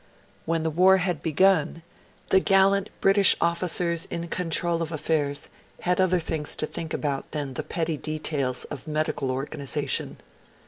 When the war had begun, the gallant British officers in control of affairs had other things to think about than the petty details of medical organisation.